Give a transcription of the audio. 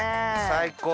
最高。